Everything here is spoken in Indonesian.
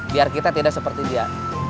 biar kita tidak seperti dia